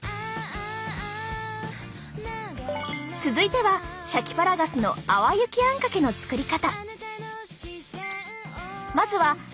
続いてはシャキパラガスの淡雪あんかけの作り方。